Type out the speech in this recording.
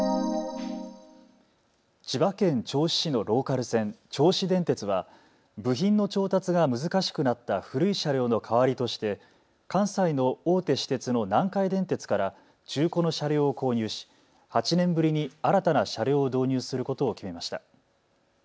千葉県銚子市のローカル線、銚子電鉄は部品の調達が難しくなった古い車両の代わりとして関西の大手私鉄の南海電鉄から中古の車両を購入し８年ぶりに新たな車両を導入することを決めました。